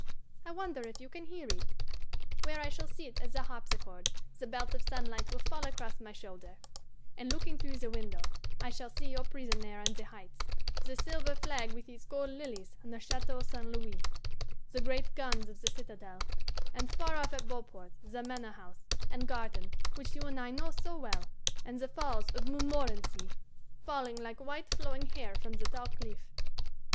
I wonder if you can hear it? Where I shall sit at the harpsichord the belt of sunlight will fall across my shoulder, and, looking through the window, I shall see your prison there on the Heights; the silver flag with its gold lilies on the Chateau St. Louis; the great guns of the citadel; and far off at Beauport the Manor House and garden which you and I know so well, and the Falls of Montmorenci, falling like white flowing hair from the tall cliff.